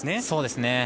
そうですね。